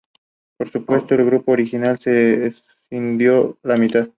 Por supuesto, del grupo original se escindió la mitad.